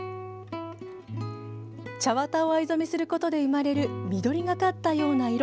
茶綿を藍染めすることで生まれる緑がかったような色。